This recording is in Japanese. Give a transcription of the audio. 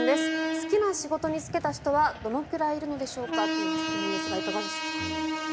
好きな仕事に就けた人はどのくらいいるのでしょうかという質問ですがいかがでしょうか。